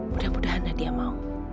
mudah mudahan nadia mau